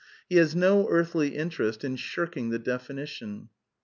He has no earthly interest in shirking the defini tion.